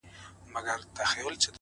ستا د مستۍ په خاطر’